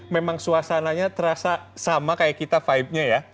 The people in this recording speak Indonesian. memang suasananya terasa sama kayak kita vibe nya ya